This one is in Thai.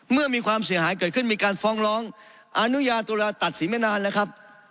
เมื่อมีความเสียหายเกิดขึ้นมีการฟ้องร้องอนุญาตุลาตัดสินไม่นานแล้วครับ